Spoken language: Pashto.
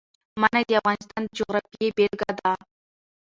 منی د افغانستان د جغرافیې بېلګه ده.